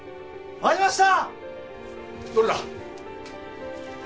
やりました！